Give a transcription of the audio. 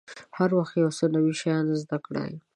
هر وخت یو څه نوي شیان زده کړئ.